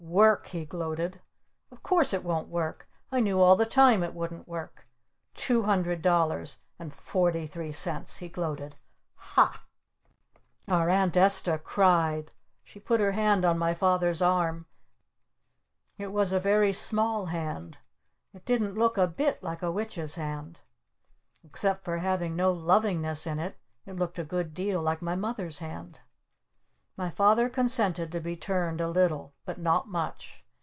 "Work?" he gloated. "Of course it won't work! I knew all the time it wouldn't work! Two hundred dollars! And forty three cents?" he gloated. "H a!" Our Aunt Esta cried! She put her hand on my Father's arm. It was a very small hand. It didn't look a bit like a Witch's hand. Except for having no lovingness in it, it looked a good deal like my Mother's hand. My Father consented to be turned a little! But not much!